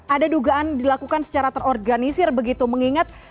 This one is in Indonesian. ada dugaan dilakukan secara terorganisir begitu mengingat